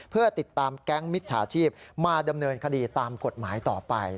เพื่อติดตามแก๊งมิจฉาชีพมาดำเนินคดีตามกฎหมายต่อไป